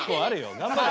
頑張れよ。